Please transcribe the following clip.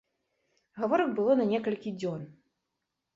Гаворак было на некалькі дзён.